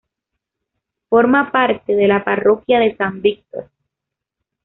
Forma parte de la parroquia de San Víctor.